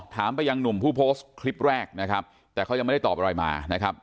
ไปยังหนุ่มผู้โพสต์คลิปแรกนะครับแต่เขายังไม่ได้ตอบอะไรมานะครับ